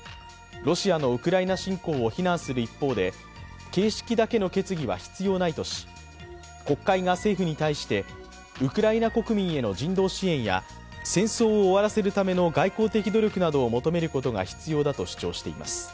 ロシアのウクライナ侵攻を非難する一方で、形式だけの決議は必要ないとし、国会が政府に対してウクライナ国民への人道支援や戦争を終わらせるための外交的努力などを求めることが必要だと主張しています。